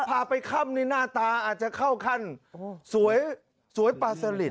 พาไปค่ำนี่หน้าตาอาจจะเข้าขั้นสวยปลาสลิด